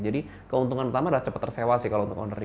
jadi keuntungan pertama adalah cepat tersewa sih kalau untuk ownernya